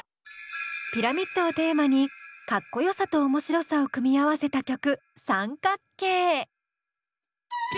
ピラミッドをテーマにかっこよさと面白さを組み合わせた曲「△」。